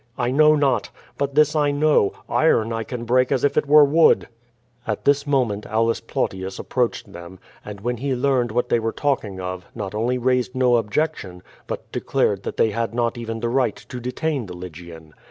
"I know not. But this I know, iron I can break as if it were wood." At this moment Aulus Plautius approached them, and when he learned what they were talking of, not only raised no objection, but declared that they had not even the right to detain the Lygian.